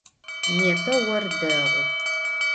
Непэ ор дэгъу.